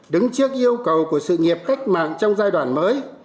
đứng trước yêu cầu của sự nghiệp cách mạng trong giai đoạn mới